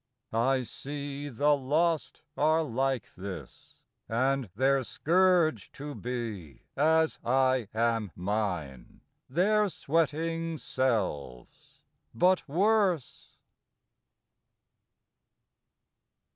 I see The lost are like this, and their scourge to be As I am mine, their sweating selves ; but worse.